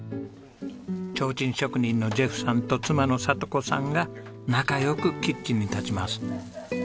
提灯職人のジェフさんと妻の聡子さんが仲良くキッチンに立ちます。